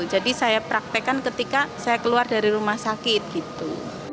jadi saya praktekkan ketika saya keluar dari rumah sakit gitu